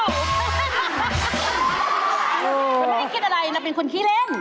เราไม่ได้คิดอะไรเราเป็นคนขี้เล่น